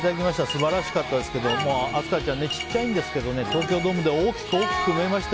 素晴らしかったですけど飛鳥ちゃんちっちゃいんですけど東京ドームで大きく大きく舞いました。